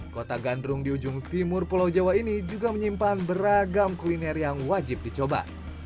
kota gandrung di ujung timur pulau jawa ini juga menyimpan beragam kuliner yang wajib dicoba